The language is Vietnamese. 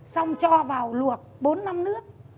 xong cho vào luộc bốn năm nước